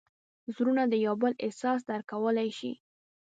زړونه د یو بل احساس درک کولی شي.